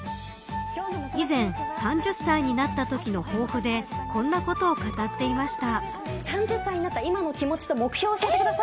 以前、３０歳になったときの抱負でこんなことを語っていました。